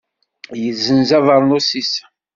Yezzenz abernus-is.